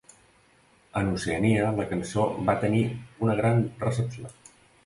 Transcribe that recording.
En Oceania, la cançó va tenir una gran recepció.